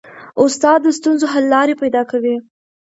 استاد د ستونزو حل لارې پیدا کوي.